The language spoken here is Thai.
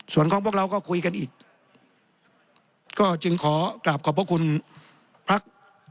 ส่วนของพวกเราก็คุยกันอีกก็จึงขอกราบขอบพระคุณพัก